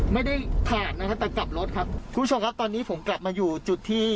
ไม่ได้ผ่านนะครับแต่กลับรถครับคุณผู้ชมครับตอนนี้ผมกลับมาอยู่จุดที่